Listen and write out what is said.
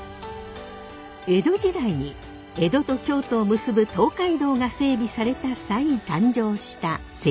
江戸時代に江戸と京都を結ぶ東海道が整備された際誕生した関宿。